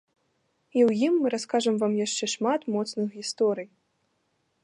І ў ім мы раскажам вам яшчэ шмат моцных гісторый!